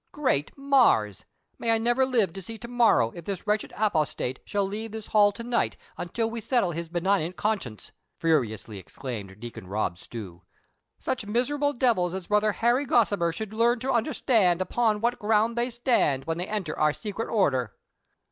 " Great Mars ! may I never live to see to morrow if this THE CONSPIRATORS AND LOVERS. 117 wretched apostate shall leave this hall to night until we settle his benignant conscience !" furiously exclaimed Deacon Rob iStew. "• Such miserable devils as Brother Harry Gossimer should learn to understand upon what ground tliey stand, when they enter our secret order